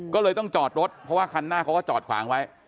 ก็เลยต้องจอดรถเพราะว่าคันหน้าเขาก็จอดขวางไว้